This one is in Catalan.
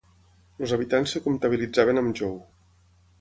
Els habitants es comptabilitzaven amb Jou.